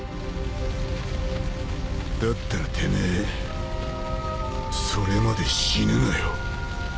だったらてめえそれまで死ぬなよ。